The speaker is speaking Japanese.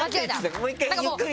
もう１回ゆっくり。